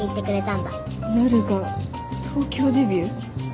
なるが東京デビュー。